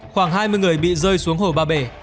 khoảng hai mươi người bị rơi xuống hồ ba bể